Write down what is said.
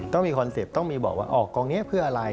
ต้องมีคอนเซ็ปต์ต้องมีบอกว่าออกกองนี้เพื่ออะไร